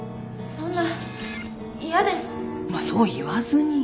まあそう言わずに。